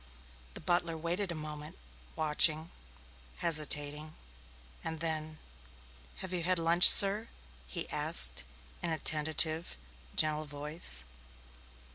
The butler waited a moment, watching, hesitating, and then: "Have you had lunch, sir?" he asked in a tentative, gentle voice.